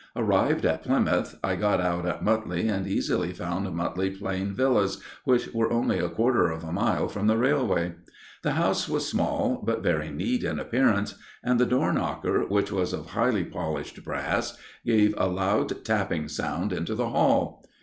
Arrived at Plymouth, I got out at Mutley, and easily found Mutley Plain Villas, which were only a quarter of a mile from the railway. The house was small, but very neat in appearance, and the door knocker, which was of highly polished brass, gave a loud tapping sound into the hall.